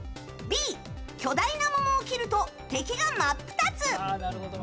Ｂ、巨大な桃を切ると敵が真っ二つ。